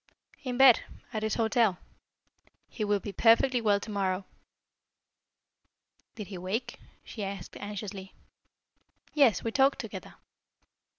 "In bed at his hotel. He will be perfectly well to morrow." "Did he wake?" she asked anxiously. "Yes. We talked together."